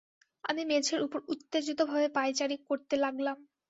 আমি মেঝের উপর উত্তেজিতভাবে পায়চারি করতে লািগলাম।